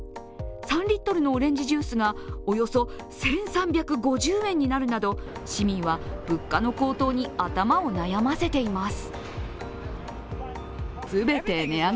３リットルのオレンジジュースがおよそ１３５０円になるなど、市民は物価の高騰に頭を悩ませています。